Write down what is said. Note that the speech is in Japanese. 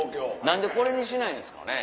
何でこれにしないんですかね？